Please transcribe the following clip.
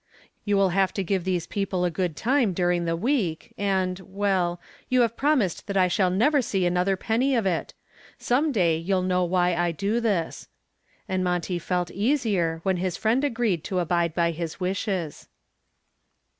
"You will have to give these people a good time during the week and well you have promised that I shall never see another penny of it. Some day you'll know why I do this," and Monty felt easier when his friend agreed to abide by his wishes.